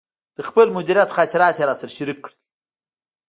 د خپل مدیریت خاطرات یې راسره شریک کړل.